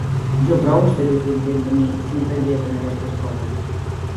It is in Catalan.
Jo prou estaría content de mi si entengués en aquestes coses.